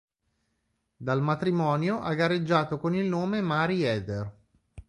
Dal matrimonio ha gareggiato con il nome Mari Eder.